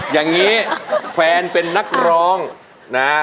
อย่างนี้แฟนเป็นนักร้องนะ